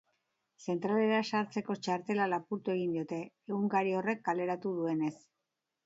Zentralera sartzeko txartela lapurtu egin diote, egunkari horrek kaleratu duenez.